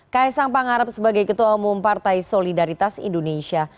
ksang pengharap sebagai ketua umum partai solidaritas indonesia